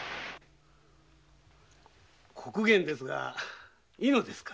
刻限ですがいいのですか？